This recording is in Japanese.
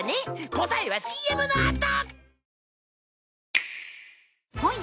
答えはＣＭのあと。